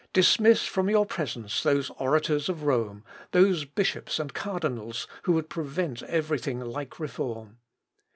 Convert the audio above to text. dismiss from your presence those orators of Rome, those bishops and cardinals who would prevent every thing like reform.